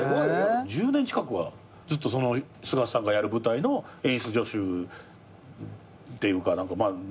１０年近くはずっと菅田さんがやる舞台の演出助手っていうか何でもやってた。